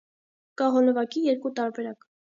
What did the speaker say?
Կա հոլովակի երկու տարբերակ։